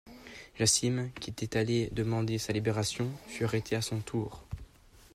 Jassim, qui était allé demander sa libération, fut arrêté à son tour.